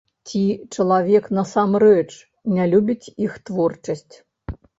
Ці чалавек насамрэч не любіць іх творчасць!